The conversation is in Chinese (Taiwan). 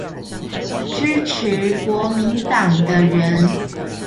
支持國民黨的人